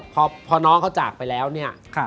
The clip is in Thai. พอน้องเขาจากไปแล้วเนี่ย